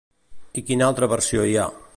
I quina altra versió hi ha?